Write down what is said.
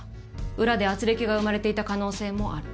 裏で軋轢が生まれていた可能性もある。